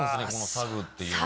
サグっていうのは。